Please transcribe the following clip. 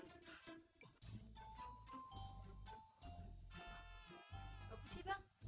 bagus sih bang